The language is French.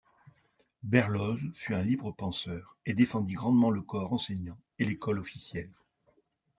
Berloz fut un libre penseur et défendit grandement le corps enseignant et l'école officielle.